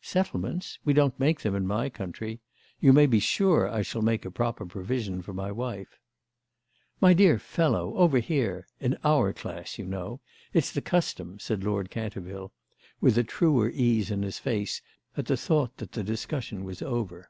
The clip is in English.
"Settlements? We don't make them in my country. You may be sure I shall make a proper provision for my wife." "My dear fellow, over here—in our class, you know—it's the custom," said Lord Canterville with a truer ease in his face at the thought that the discussion was over.